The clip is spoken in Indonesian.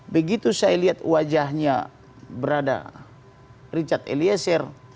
begitu saya lihat wajahnya berada richard eliezer